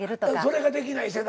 それができない世代。